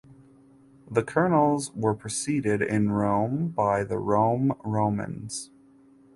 The Colonels were preceded in Rome by the Rome Romans.